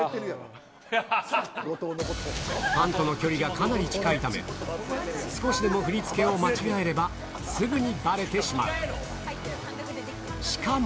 ファンとの距離がかなり近いため、少しでも振り付けを間違えれば、すぐにばれてしまう。